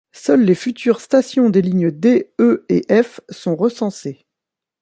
Seules les futures stations des lignes D, E et F sont recensées.